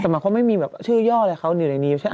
แต่หมายความว่าไม่มีแบบชื่อย่ออะไรเขาเหนื่อยนี้ใช่ไหม